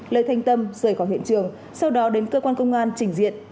lê thanh tâm rời khỏi hiện trường sau đó đến cơ quan công an trình diện